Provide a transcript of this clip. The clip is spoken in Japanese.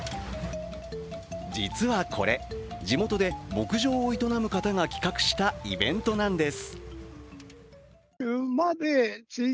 実はこれ、地元で牧場を営む方が企画したイベントなんです。